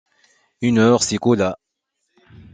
Une heure s'écoula.